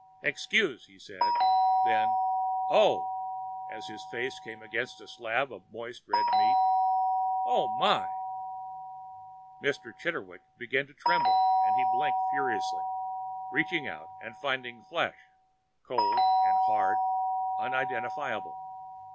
"Excuse," he said, then, "Oh!" as his face came against a slab of moist red meat. "Oh my!" Mr. Chitterwick began to tremble and he blinked furiously, reaching out and finding flesh, cold and hard, unidentifiable.